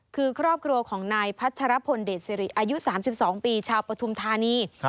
คือครอบครัวของนายพัชรพลเดชสิริอายุ๓๒ปีชาวปฐุมธานี